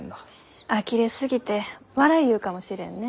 あきれすぎて笑いゆうかもしれんね。